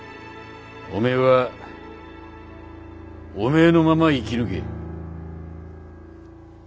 おめえはおめえのまま生き抜け。